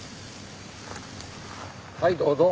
はいどうぞ。